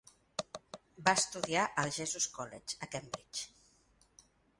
Va estudiar al Jesus College, a Cambridge.